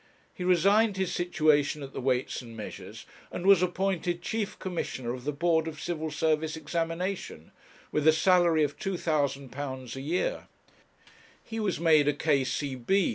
He resigned his situation at the Weights and Measures, and was appointed Chief Commissioner of the Board of Civil Service Examination, with a salary of £2,000 a year; he was made a K.C.B.